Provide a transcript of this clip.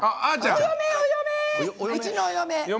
お嫁お嫁、うちのお嫁。